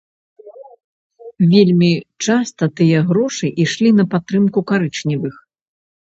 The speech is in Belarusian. Вельмі часта тыя грошы ішлі на падтрымку карычневых.